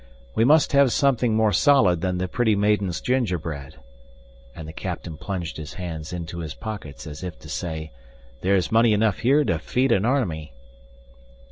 "We must have something more solid than the pretty maiden's gingerbread" and the captain plunged his hands into his pockets as if to say, "There's money enough here to feed an army!"